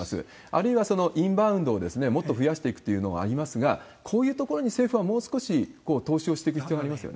あるいはそのインバウンドをもっと増やしていくというのがありますが、こういうところに政府はもう少し、投資をしていく必要がありますよ